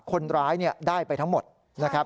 คนร้ายได้ไปทั้งหมดนะครับ